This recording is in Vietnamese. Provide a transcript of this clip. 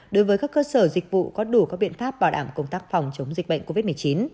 đối với các cơ sở dịch vụ có đủ các biện pháp bảo đảm công tác phòng chống dịch bệnh covid một mươi chín